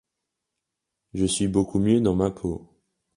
Je suis beaucoup mieux dans ma peau.